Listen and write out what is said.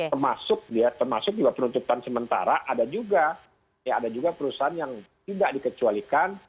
termasuk ya termasuk juga penutupan sementara ada juga ya ada juga perusahaan yang tidak dikecualikan